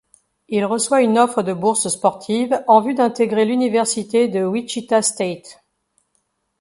Il reçoit une offre de bourse sportive en vue d'intégrer l'université de Wichita State.